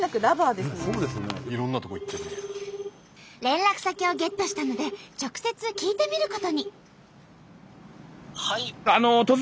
連絡先をゲットしたので直接聞いてみることに。